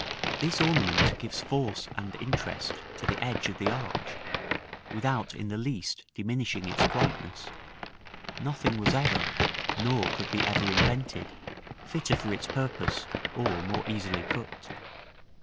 This ornament gives force and interest to the edge of the arch, without in the least diminishing its quietness. Nothing was ever, nor could be ever invented, fitter for its purpose, or more easily cut.